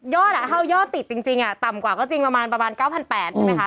เข้ายอดติดจริงต่ำกว่าก็จริงประมาณ๙๘๐๐ใช่ไหมคะ